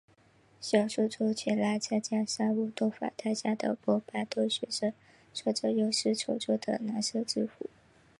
小说中前来参加三巫斗法大赛的波巴洞学生穿着用丝绸作的蓝色制服。